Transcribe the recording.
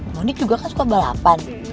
monik juga kan suka balapan